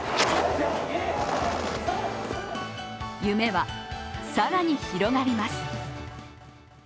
夢は、更に広がります。